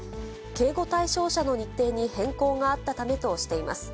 警護対象者の日程に変更があったためとしています。